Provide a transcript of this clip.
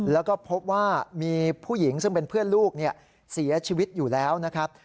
แล้วก็พบว่ามีผู้หญิงซึ่งเป็นเพื่อนลูกเสียชีวิตอยู่แล้วนะครับ